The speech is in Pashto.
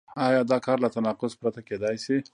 آیا دا کار له تناقض پرته کېدای شي؟